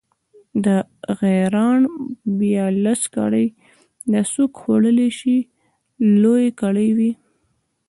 د غیراڼ بیا لس کړۍ، دا څوک خوړلی شي، لویې کړۍ وې.